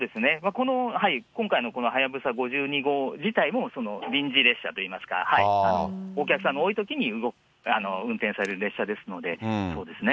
この今回のこのはやぶさ５２号自体も、臨時列車といいますか、お客さんが多いときに運転される列車ですので、そうですね。